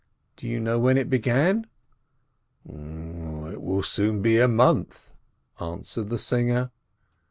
Do you know when it began ?" "It will soon be a month," answered the singer.